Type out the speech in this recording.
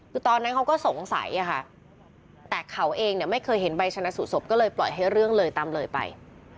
คือตอนนั้นเขาก็สงสัยอะค่ะแต่เขาเองเนี่ยไม่เคยเห็นใบชนะสูตศพก็เลยปล่อยให้เรื่องเลยตามเลยไป